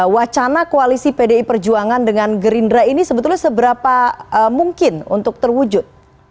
wacana koalisi pdi perjuangan dengan gerindra ini sebetulnya seberapa mungkin untuk terwujud